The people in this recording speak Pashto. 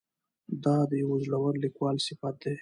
دا د یوه زړور لیکوال صفت دی.